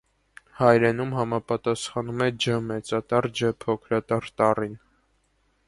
Հայերենում համապատասխանում է «Ջ ջ» տառին։